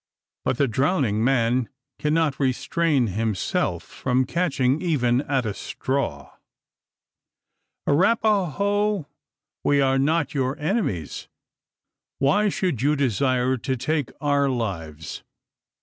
But the drowning man cannot restrain himself from catching even at a straw. "Arapaho! We are not your enemies! Why should you desire to take our lives?